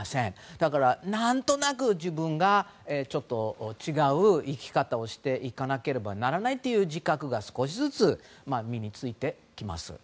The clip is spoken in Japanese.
だから、何となく自分がちょっと違う生き方をしていかなければならないという自覚が少しずつ身に着いてきます。